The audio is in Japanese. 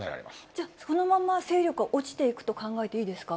じゃあ、そのまま勢力は落ちていくと考えていいですか。